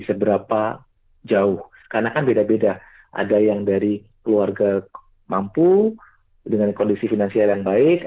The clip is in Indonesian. seberapa jauh karena kan beda beda ada yang dari keluarga mampu dengan kondisi finansial yang baik